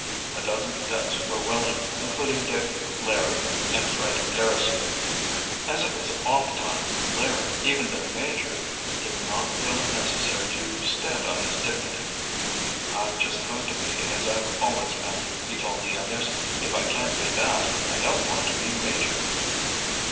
A dozen cadets were willing, including Dick, Larry, and Fred Garrison. As it was off time, Larry, even though major, did not feel it necessary to "stand on his dignity." "I'm just going to be as I've always been," he told the others. "If I can't be that, I don't want to be major."